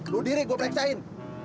lu diri gue periksain